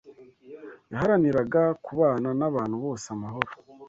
Yaharaniraga kubana n’abantu bose amahoro